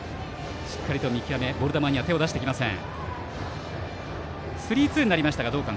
しっかり見極めてボール球には手を出しません。